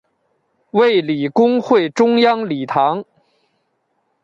卫理公会中央礼堂。